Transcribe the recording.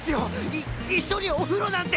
い一緒にお風呂なんて！